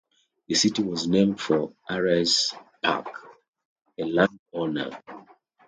The city was named for R. S. Parke, a landowner.